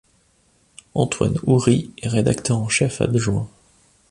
Antoine Oury est rédacteur en chef adjoint.